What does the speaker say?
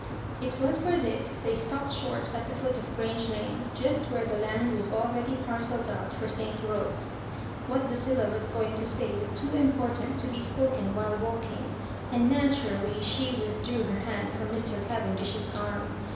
It was for this they stopped short at the foot of Grange Lane just where the land was already parcelled out for St Roque*a What Lucilla was going to say was too important to be spoken while walking, and naturally she withdrew her hand from Mr. Cavendish's arm.